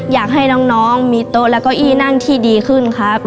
อยากให้น้องมีโต๊ะและเก้าอี้นั่งที่ดีขึ้นครับ